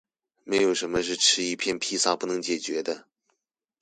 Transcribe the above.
沒有什麼是吃一片披薩不能解決的